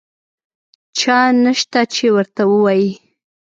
چا نشته چې ورته ووایي.